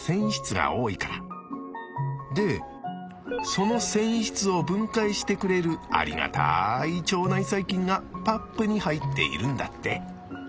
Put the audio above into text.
その繊維質を分解してくれるありがたい腸内細菌がパップに入っているんだって。